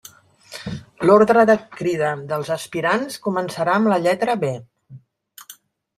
L'ordre de crida dels aspirants començarà amb la lletra B.